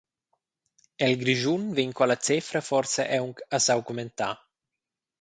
El Grischun vegn quella cefra forsa aunc a s’augmentar.